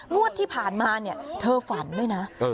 งวดที่ผ่านมาเนี่ยเธอฝันด้วยนะ